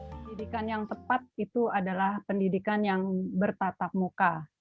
pendidikan yang tepat itu adalah pendidikan yang bertatap muka